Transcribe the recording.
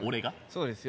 そうですよ。